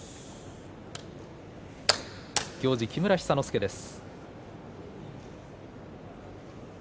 行司は木村寿之介です。